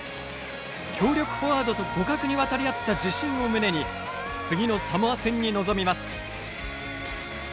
強力フォワードと互角に渡り合った自信を胸に次のサモア戦に臨みます。